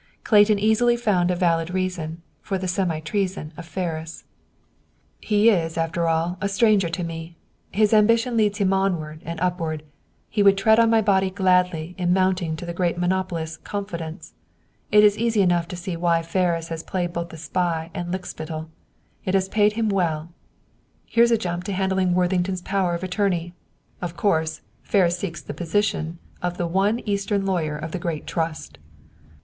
Clayton easily found a valid reason, for the semi treason of Ferris. "He is, after all, a stranger to me. His ambition leads him onward and upward. He would tread on my body gladly in mounting to the great monopolist's confidence. It is easy enough to see why Ferris has played both the spy and lickspittle. It has paid him well. Here's a jump to handling Worthington's power of attorney. Of course, Ferris seeks the position of the one Eastern lawyer of the great Trust.